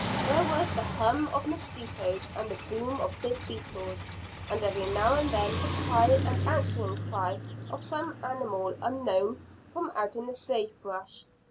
There was the hum of mosquitoes and the boom of big beetles, and every now and then the cry and answering cry of some animal unknown from out in the sage brush.